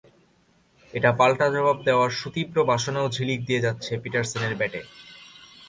এটা পাল্টা জবাব দেওয়ার সুতীব্র বাসনাও ঝিলিক দিয়ে যাচ্ছে পিটারসেনের ব্যাটে।